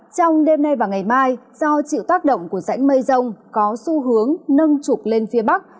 trong đêm nay và ngày mai do chịu tác động của rãnh mây rông có xu hướng nâng trục lên phía bắc